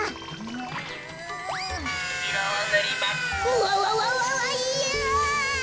うわわわわいや。